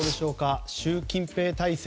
習近平体制